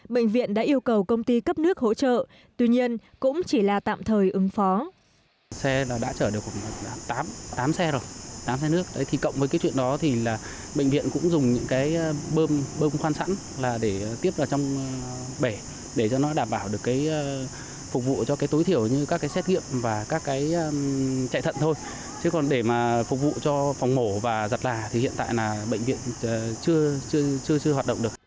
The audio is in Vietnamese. bệnh viện đã yêu cầu công ty cấp nước hỗ trợ tuy nhiên cũng chỉ là tạm thời ứng phó